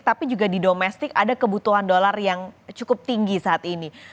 tapi juga di domestik ada kebutuhan dolar yang cukup tinggi saat ini